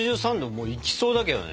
もういきそうだけどね。